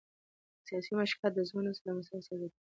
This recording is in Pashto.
سیاسي مشارکت د ځوان نسل د مسؤلیت احساس زیاتوي